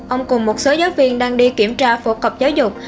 ông cùng một số giáo viên đang đi kiểm tra phổ cập giáo dục